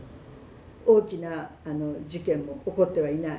大きな事件も起こってはいない。